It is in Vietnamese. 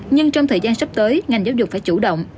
nhưng trong thời gian sắp tới ngành giáo dục phải chủ động